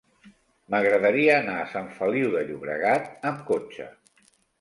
M'agradaria anar a Sant Feliu de Llobregat amb cotxe.